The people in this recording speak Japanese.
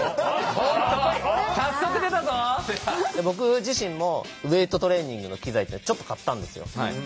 僕自身もウエイトトレーニングの機材ってちょっと買ったんですよ。